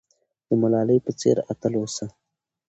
د ملالۍ په څېر اتل اوسه.